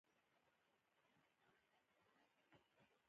باسواده میندې د ماشومانو رواني روغتیا ته پام کوي.